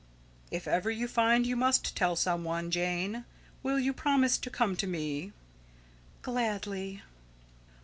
"If ever you find you must tell some one, Jane, will you promise to come to me?" "Gladly."